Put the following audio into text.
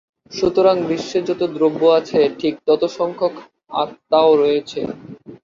সুতরাং, বিশ্বে যতো দ্রব্য আছে ঠিক তত সংখ্যক আত্মাও রয়েছে।